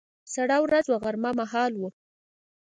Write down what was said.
سړه ورځ وه، غرمه مهال و.